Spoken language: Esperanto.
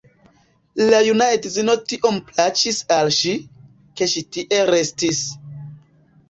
La juna edzino tiom plaĉis al ŝi, ke ŝi tie restis.